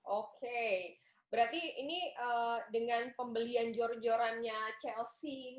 oke berarti ini dengan pembelian jor jorannya chelsea ini